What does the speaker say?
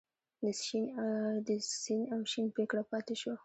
د سین او شین پیکړه پاتې شوه.